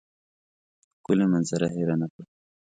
ښکلې منظره هېره نه کړم.